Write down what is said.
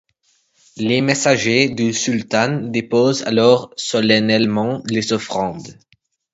Les messagers du sultan déposent alors solennellement les offrandes.